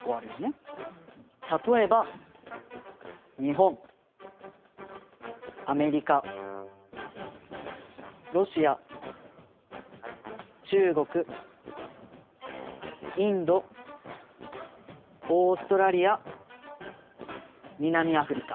例えば日本アメリカロシア中国インドオーストラリア南アフリカ。